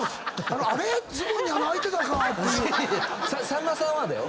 さんまさんはだよ。